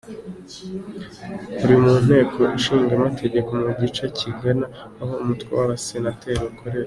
Iri mu Nteko Ishinga Amategeko mu gice kigana aho umutwe w’Abasenateri ukorera.